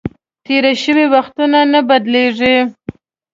تېر شوي وختونه نه بدلیږي .